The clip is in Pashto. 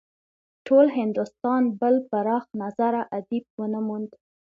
ټول هندوستان بل پراخ نظره ادیب ونه موند.